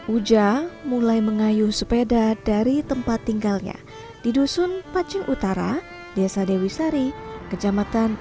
uja mulai mengayuh sepeda dari tempat tinggalnya di dusun pacing utara desa dewi sari kecamatan